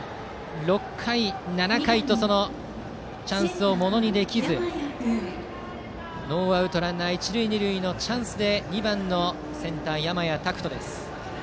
６回、７回とそのチャンスをものにできずノーアウトランナー、一塁二塁のチャンスで２番のセンター、山家拓人です。